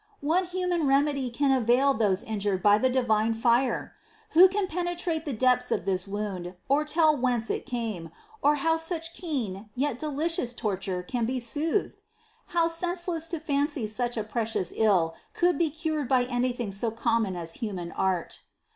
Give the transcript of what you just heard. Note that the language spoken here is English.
What human remedy can avail those injured by the divine fire ? Who can penetrate the depths of this wound, or tell whence it came, or how such keen yet delicious torture can be soothed ? How senseless to fancy that such a precious ill could be cured by anything so common as human art.